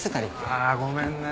あごめんね。